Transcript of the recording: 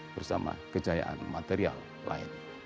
bersama kejayaan material lain